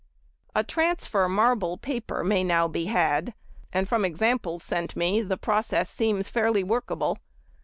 ] A transfer marble paper may now be had, and from examples sent me the process seems fairly workable.